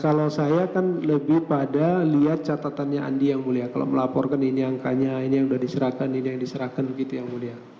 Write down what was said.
kalau saya kan lebih pada lihat catatannya andi yang mulia kalau melaporkan ini angkanya ini yang sudah diserahkan ini yang diserahkan begitu yang mulia